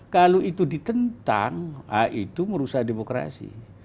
kalau itu ditentang itu merusak demokrasi